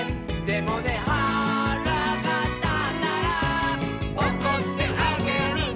「でもねはらがたったら」「おこってあげるね」